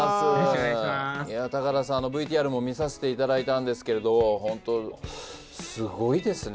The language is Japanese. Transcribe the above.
いや高田さんＶＴＲも見させていただいたんですけれど本当すごいですね